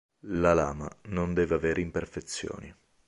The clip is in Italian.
La lama non deve avere imperfezioni.